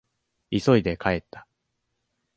急いで帰った。